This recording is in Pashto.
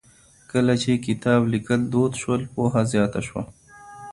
کله چې کتاب ليکل دود شول، پوهه زياته شوه.